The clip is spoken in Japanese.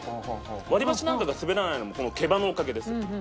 割り箸なんかが滑らないのもこの毛羽のおかげです。